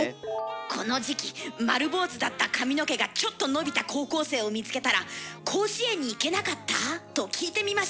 この時期丸坊主だった髪の毛がちょっと伸びた高校生を見つけたら「甲子園に行けなかった？」と聞いてみましょう。